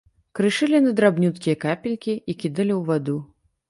Крышылі на драбнюткія капелькі і кідалі ў ваду.